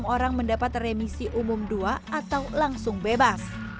dua enam ratus enam orang mendapat remisi umum dua atau langsung bebas